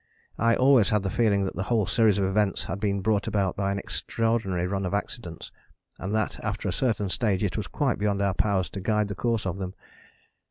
I always had the feeling that the whole series of events had been brought about by an extraordinary run of accidents, and that after a certain stage it was quite beyond our power to guide the course of them.